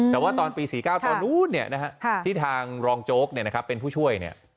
แต่ว่าตอนปี๔๙ตอนนู้นเนี่ยนะครับที่ทางรองโจ๊กเนี่ยนะครับเป็นผู้ช่วยเนี่ย